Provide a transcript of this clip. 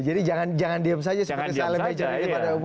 jadi jangan diam saja seperti salim ejami pada umum ya